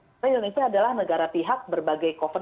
karena indonesia adalah negara pihak berbagai kovenan